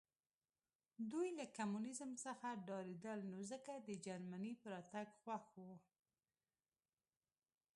دوی له کمونیزم څخه ډارېدل نو ځکه د جرمني په راتګ خوښ وو